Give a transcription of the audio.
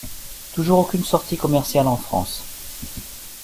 Toujours aucune sortie commerciale en France.